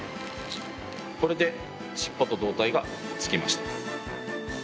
これで尻尾と胴体がくっつきました。